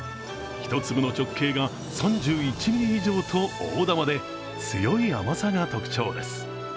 １粒の直径が３１ｍｍ以上と大玉で強い甘さが特徴です。